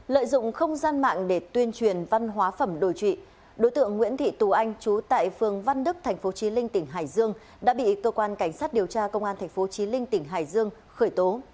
lợi dụng không gian mạng để tuyên truyền văn hóa phẩm đồi trụy đối tượng nguyễn thị tù anh trú tại phường văn đức tp chí linh tỉnh hải dương đã bị cơ quan cảnh sát điều tra công an tp chí linh tỉnh hải dương khởi tố